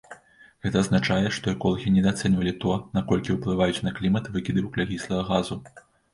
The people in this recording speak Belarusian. Гэта азначае, што эколагі недаацэньвалі то, наколькі ўплываюць на клімат выкіды вуглякіслага газу.